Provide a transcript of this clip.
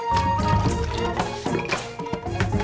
dia udah malem sebagai nasi